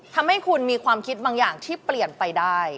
ทำให้คุณมีความคิดบางอย่างที่เปลี่ยนไปได้